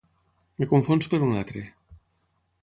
Em confons per un altre.